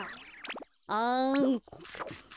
あん。